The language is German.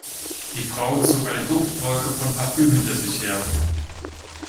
Die Frau zog eine Duftwolke von Parfüm hinter sich her.